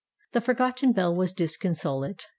The forgotten bell was dis consolate.